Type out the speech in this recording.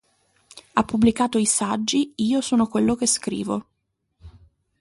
Ha pubblicato i saggi "Io sono quello che scrivo.